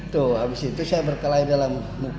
tuh habis itu saya berkelahi di dalam